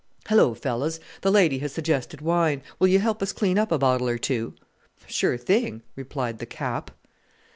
"Hullo, fellows! The lady has suggested wine. Will you help us clean up a bottle or two?" "Sure thing!" replied the "Cap."